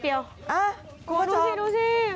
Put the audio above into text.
ไอ้คุณดูสิ